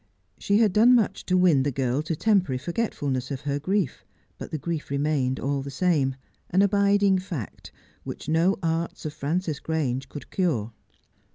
She had done much to win the girl to temporary forgetfulness of her grief, but the grief remained all the same, an abiding fact, which no arts of Frances Grange could cure.